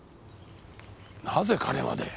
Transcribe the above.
なぜ彼まで？